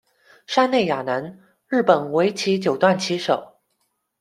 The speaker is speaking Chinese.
杉内雅男，日本围棋九段棋手。